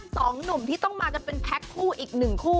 สองหนุ่มที่ต้องมากันเป็นแพ็คคู่อีกหนึ่งคู่